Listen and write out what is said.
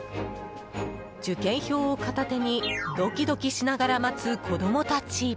受験票を片手にドキドキしながら待つ子供たち。